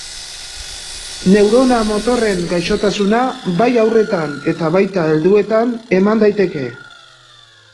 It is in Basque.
Neurona motorren gaixotasuna bai haurretan eta baita helduetan eman daiteke.